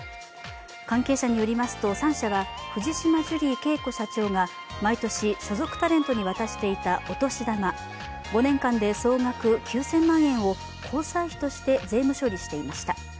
関係者によりますと３社は藤島ジュリー景子社長が毎年、所属タレントに渡していたお年玉５年間で総額９０００万円を交際費として税務処理していました。